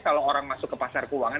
kalau orang masuk ke pasar keuangan